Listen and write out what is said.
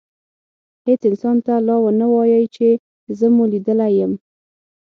هیڅ انسان ته لا ونه وایئ چي زه مو لیدلی یم.